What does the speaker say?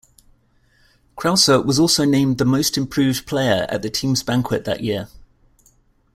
Krauser was also named the Most Improved Player at the team's banquet that year.